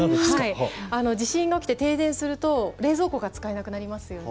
地震が起きて、停電すると冷蔵庫が使えなくなりますよね。